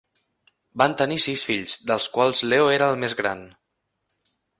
Van tenir sis fills, dels quals Leo era el més gran.